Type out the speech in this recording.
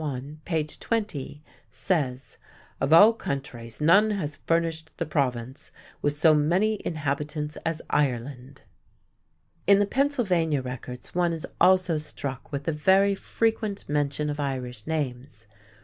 I, page 20) says: "Of all countries none has furnished the Province with so many inhabitants as Ireland." In the Pennsylvania records one is also struck with the very frequent mention of Irish names.